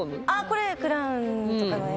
これクラウンとかの演目。